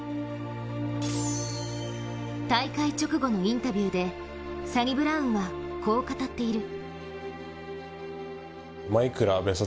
大会直後のインタビューでサニブラウンはこう語っている。